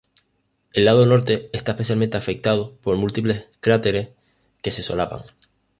El lado norte está especialmente afectado por múltiples cráteres que se solapan.